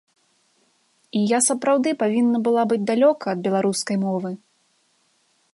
І я сапраўды павінна была быць далёка ад беларускай мовы.